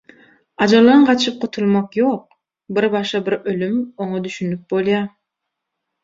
Ajaldan gaçyp gutulmak ýok, bir başa bir ölüm – oňa düşünip bolýar